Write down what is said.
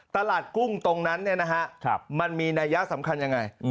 ตลาดกุ้งตรงนั้นมันมีนัยยะสำคัญอย่างไร